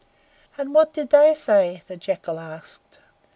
"And what did they say?" the Jackal asked.